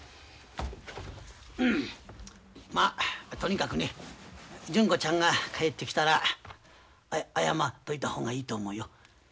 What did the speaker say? まあとにかくね純子ちゃんが帰ってきたら謝っといた方がいいと思うよ。